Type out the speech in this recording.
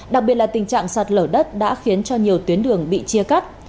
đặc biệt là tình trạng sạt lở đất đã khiến cho nhiều tuyến đường bị chia cắt